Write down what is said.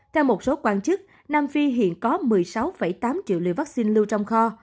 theo một số quan chức nam phi hiện có một mươi sáu tám triệu liều vaccine lưu trong kho